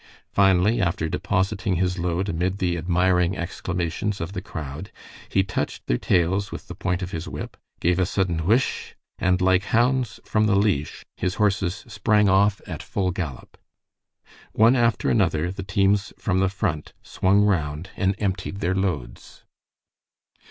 Finally, after depositing his load amid the admiring exclamations of the crowd, he touched their tails with the point of his whip, gave a sudden "Whish!" and like hounds from the leash his horses sprang off at full gallop. One after another the teams from the Front swung round and emptied their loads.